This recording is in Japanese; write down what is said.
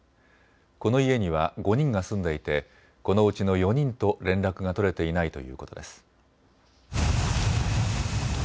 この家には５人が住んでいてこのうちの４人と連絡が取れていないということです。